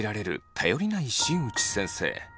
頼りない新内先生。